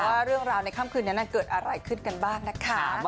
ว่าเรื่องราวในค่ำคืนนั้นเกิดอะไรขึ้นกันบ้างนะคะ